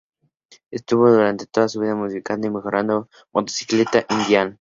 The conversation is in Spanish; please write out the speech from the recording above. Estuvo durante toda su vida modificando y mejorando su Motocicleta Indian.